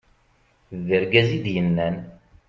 d argaz i d-yennan